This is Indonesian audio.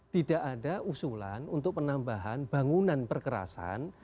tidak ada usulan untuk penambahan bangunan perkerasan